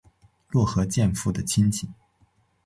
落合建夫的亲戚。